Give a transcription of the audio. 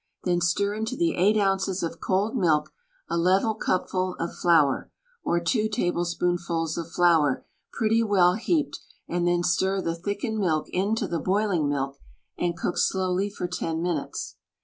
Then stir into the eight ounces of cold milk a level cupful of flour, or two tablespoonfuls of flour, pretty well heaped, and then stir the thickened milk into the boiling milk and cook slowly for ten minutes.